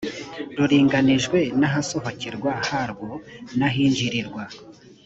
ruringanijwe n’ahasohokerwa harwo n’ahinjirirwa